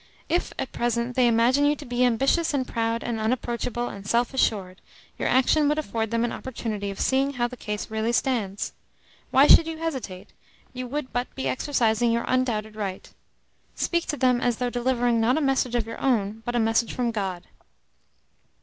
If, at present, they imagine you to be ambitious and proud and unapproachable and self assured, your action would afford them an opportunity of seeing how the case really stands. Why should you hesitate? You would but be exercising your undoubted right. Speak to them as though delivering not a message of your own, but a message from God."